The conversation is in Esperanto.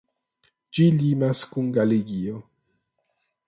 Ĝi limas kun Galegio.